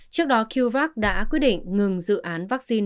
trước đó kyuvac đã quyết định ngừng dự án vaccine